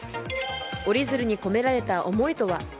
折り鶴に込められた思いとは。